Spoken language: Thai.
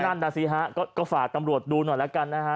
นั่นน่ะสิฮะก็ฝากตำรวจดูหน่อยแล้วกันนะฮะ